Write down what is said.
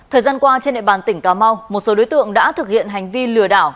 thời gian qua trên địa bàn tỉnh cà mau một số đối tượng đã thực hiện hành vi lừa đảo